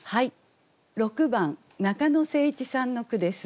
６番中野誠一さんの句です。